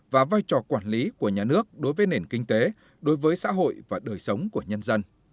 và vai trò quản lý của nhà nước đối với nền kinh tế đối với xã hội và đời sống của nhân dân